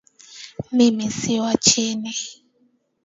Mimi si wa chini.